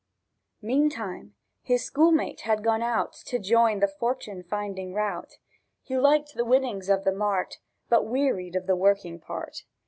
. Meantime his schoolmate had gone out To join the fortune finding rout; He liked the winnings of the mart, But wearied of the working part.